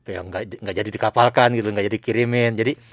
ya nggak jadi dikapalkan gitu nggak jadi dikirimin jadi